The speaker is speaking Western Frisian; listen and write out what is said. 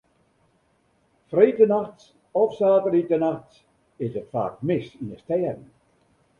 Freedtenachts of saterdeitenachts is it faak mis yn de stêden.